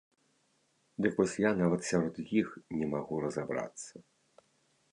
Дык вось я нават сярод іх не магу разабрацца.